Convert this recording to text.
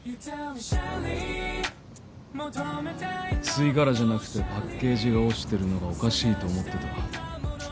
吸い殻じゃなくてパッケージが落ちてるのがおかしいと思ってた。